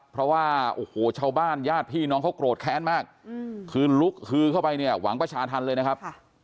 เพราะว่าโอ้โหชาวบ้านญาติพี่น้องเขาโกรธแค้นมากคือลุกฮือเข้าไปเนี่ยหวังประชาธรรมเลยนะครับ